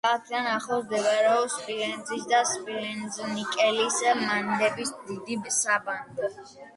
ქალაქთან ახლოს მდებარეობს სპილენძის და სპილენძ-ნიკელის მადნების დიდი საბადო.